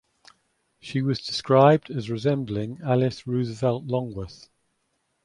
She was described as resembling Alice Roosevelt Longworth.